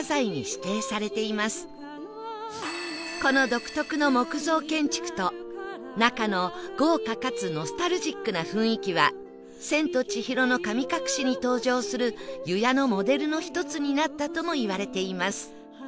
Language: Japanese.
この独特の木造建築と中の豪華かつノスタルジックな雰囲気は『千と千尋の神隠し』に登場する湯屋のモデルの一つになったともいわれています